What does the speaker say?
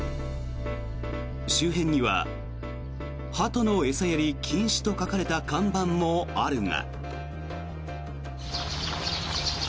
周辺には、ハトの餌やり禁止と書かれた看板もあるが。